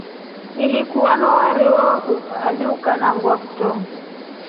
Niku wanywa wari wo hadi ukanangwa kutro.